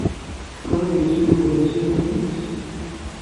Qrib yettu Yuba tasiwant-nnes.